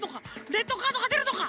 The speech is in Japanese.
レッドカードがでるのか？